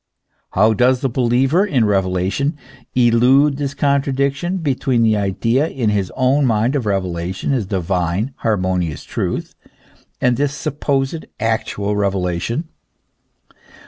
"* How does the believer in revelation elude this contradiction between the idea in his own mind, of revela tion as divine, harmonious truth, and this supposed actual revelation?